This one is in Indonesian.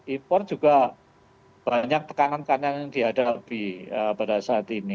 impor juga banyak tekanan tekanan yang dihadapi pada saat ini